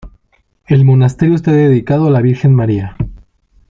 El monasterio está dedicado a la Virgen María.